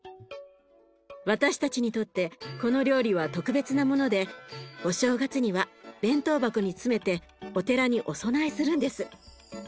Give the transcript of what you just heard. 私たちにとってこの料理は特別なものでお正月には弁当箱に詰めてお寺にお供えするんです。